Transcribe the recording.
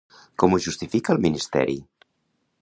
Com ho justifica el Ministeri?